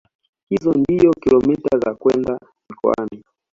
Hizo ndio kilomita za kwenda mikoani